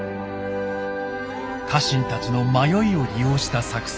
家臣たちの迷いを利用した作戦。